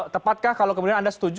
tepatkah kalau kemudian anda setuju